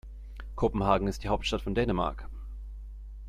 Kopenhagen ist die Hauptstadt von Dänemark.